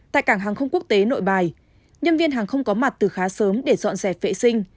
tại cảng hàng không quốc tế nội bài nhân viên hàng không có mặt từ khá sớm để dọn dẹp vệ sinh